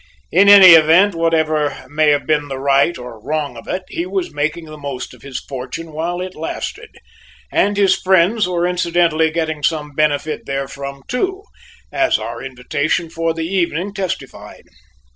In any event, whatever may have been the right or wrong of it, he was making the most of his fortune while it lasted, and his friends were incidentally getting some benefit therefrom too, as our invitation for the evening testified.